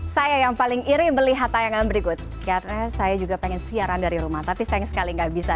saya yang paling iri melihat tayangan berikut karena saya juga pengen siaran dari rumah tapi sayang sekali nggak bisa